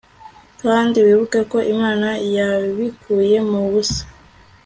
kandi wibuke ko imana yabikuye mu busa